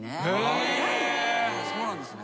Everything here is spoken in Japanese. そうなんですね。